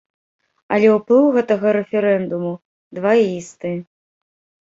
Але ўплыў гэтага рэферэндуму дваісты.